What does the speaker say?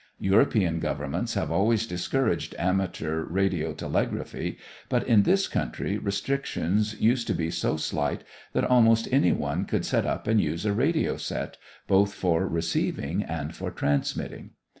European governments have always discouraged amateur radiotelegraphy, but in this country restrictions used to be so slight that almost any one could set up and use a radio set, both for receiving and for transmitting.